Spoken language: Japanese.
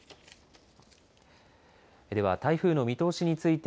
では、台風の見通しについて